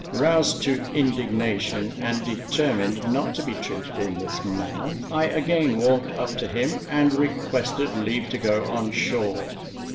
Roused to indignation, and determined not to be treated in this manner, I again walked up to him, and requested leave to go on shore.